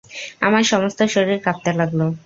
আমার সমস্ত শরীর কাঁপতে লাগল।